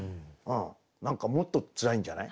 何かもっとつらいんじゃない？